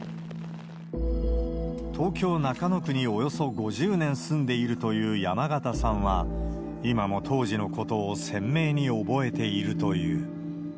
東京・中野区におよそ５０年住んでいるという山方さんは、今も当時のことを鮮明に覚えているという。